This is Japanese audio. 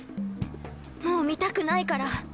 もう見たくないから。